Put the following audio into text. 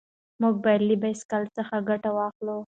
موږ باید له بایسکل څخه ګټه واخلو.